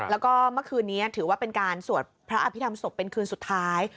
แล้วก็เมื่อคืนนี้ถือว่าเป็นการสวดพระอภิษฐรรมศพเป็นคืนสุดท้าย